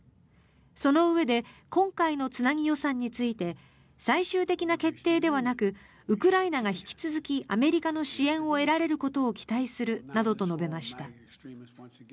そのうえで今回のつなぎ予算について最終的な決定ではなくウクライナが引き続きアメリカの支援を得られることを期待するなどと述べました。